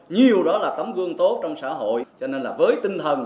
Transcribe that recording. nhiều đó là tấm gương tốt trong xã hội